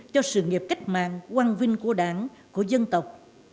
cho sự nghiệp cách mạng quang vinh của đảng của dân tộc